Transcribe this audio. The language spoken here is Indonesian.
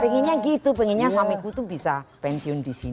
pengennya gitu pengennya suamiku tuh bisa pensiun disini